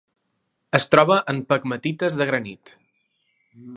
Es troba en pegmatites de granit.